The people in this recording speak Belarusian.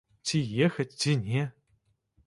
Ці ехаць, ці не?